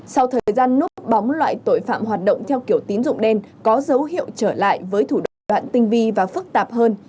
sau thời gian núp bóng loại tội phạm hoạt động theo kiểu tín dụng đen có dấu hiệu trở lại với thủ đoạn đoạn tinh vi và phức tạp hơn